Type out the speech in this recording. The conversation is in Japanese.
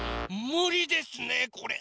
ムリですねこれ。